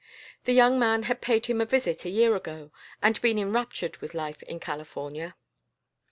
The young man had paid him a visit a year ago and been enraptured with life in California.